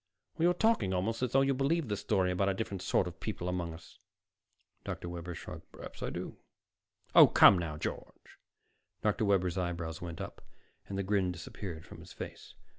"You're talking almost as though you believed this story about a different sort of people among us." Dr. Webber shrugged. "Perhaps I do." "Oh, come now, George." Dr. Webber's eyebrows went up and the grin disappeared from his face.